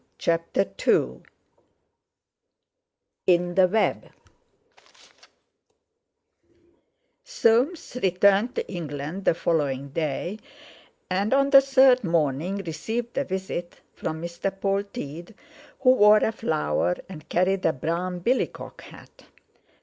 CHAPTER II IN THE WEB Soames returned to England the following day, and on the third morning received a visit from Mr. Polteed, who wore a flower and carried a brown billycock hat.